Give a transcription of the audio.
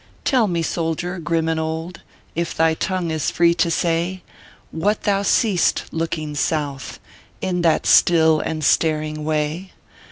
Tell me, soldier, grim and old, If thy tongue is free to say, What thou seest looking South, In that still and staring way?